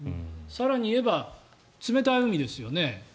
更に言えば、冷たい海ですよね。